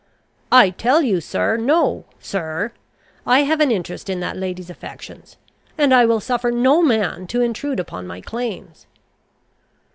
"I tell you, sir, no. Sir, I have an interest in that lady's affections; and I will suffer no man to intrude upon my claims."